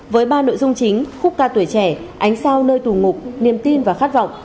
với ba nội dung chính khúc ca tuổi trẻ ánh sao nơi tù ngục niềm tin và khát vọng